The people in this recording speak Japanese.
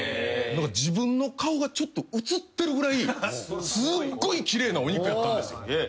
自分の顔がちょっと映ってるぐらいすごい奇麗なお肉やったんですよ。